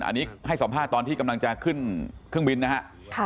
อันนี้ให้สัมภาษณ์ตอนที่กำลังจะขึ้นเครื่องบินนะฮะ